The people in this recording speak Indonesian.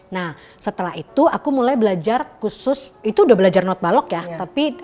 nah setelah itu aku mulai belajar khusus itu udah belajar not balok ya